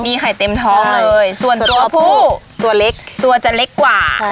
มีไข่เต็มท้องเลยส่วนตัวผู้ตัวเล็กตัวจะเล็กกว่า